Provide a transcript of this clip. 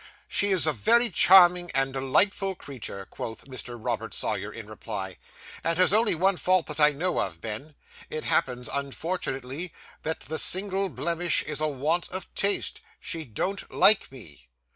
'She's a very charming and delightful creature,' quoth Mr. Robert Sawyer, in reply; 'and has only one fault that I know of, Ben. It happens, unfortunately, that that single blemish is a want of taste. She don't like me.